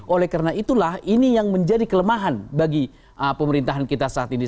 oleh karena itulah ini yang menjadi kelemahan bagi pemerintahan kita saat ini